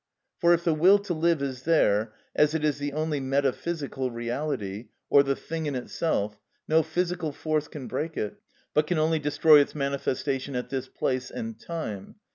For if the will to live is there, as it is the only metaphysical reality, or the thing in itself, no physical force can break it, but can only destroy its manifestation at this place and time.